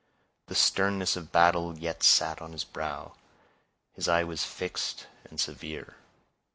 The sternness of battle yet sat on his brow; his eye was fixed and severe.